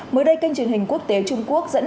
mới đây kênh truyền hình quốc tế trung quốc dẫn